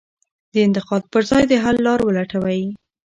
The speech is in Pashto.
د انتقاد په ځای د حل لار ولټوئ.